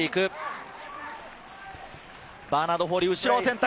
バーナード・フォーリー、後ろを選択。